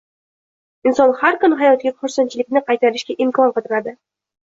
Inson har kuni hayotiga xursandchilikni qaytarishga imkon qidiradi